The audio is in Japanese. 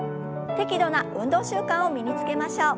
適度な運動習慣を身につけましょう。